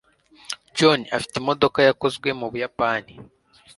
john afite imodoka yakozwe mu buyapani